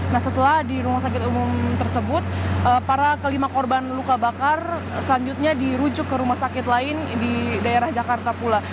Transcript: nah setelah di rumah sakit umum tersebut para kelima korban luka bakar selanjutnya dirujuk ke rumah sakit lain di daerah jakarta pula